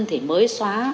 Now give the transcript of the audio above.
thì mới xóa